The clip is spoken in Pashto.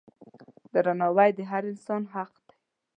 درناوی د هر انسان حق دی.